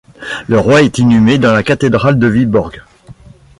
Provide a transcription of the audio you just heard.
Le roi est inhumé dans la cathédrale de Viborg.